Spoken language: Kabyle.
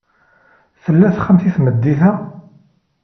Tella texxamt i tmeddit-a?